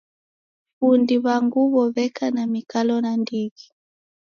Fundi w'a nguw'o w'eka na mikalo nandighi.